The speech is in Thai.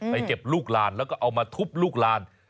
เก็บลูกหลานแล้วก็เอามาทุบลูกลาน